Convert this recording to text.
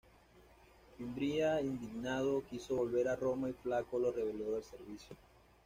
Fimbria indignado, quiso volver a Roma y Flaco lo relevó del servicio.